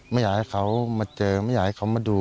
ไม่อยากให้เขามาเจอไม่อยากให้เขามาดู